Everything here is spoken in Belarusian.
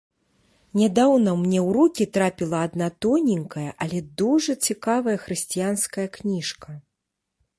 Нядаўна мне ў рукі трапіла адна тоненькая, але дужа цікавая хрысціянская кніжка.